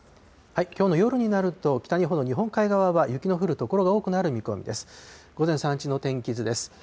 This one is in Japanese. きょうの夜になると、北日本の日本海側は雪の降る所が多くなる見込みです。